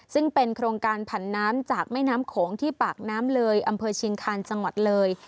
ซึ่งเป็นโครงการผันน้ำจากแม่น้ำโขงที่ปากน้ำเลยอำเภอเชียงคาญจังหวัดเลย